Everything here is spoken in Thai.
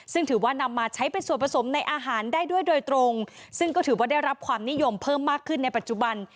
ซึ่งถือว่านำมาใช้เป็นส่วนผสมในอาหารได้ด้วยโดยตรงซึ่งก็ถือว่าได้รับความนิยมเพิ่มมากขึ้นในปัจจุบัน